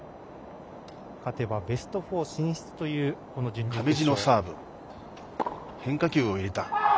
勝てばベスト４進出というこの準決勝。